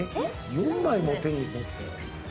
⁉４枚も手に持ったよ。